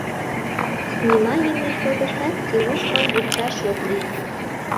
Снимайыме шотыштат Тимошкам вурсаш ок лий.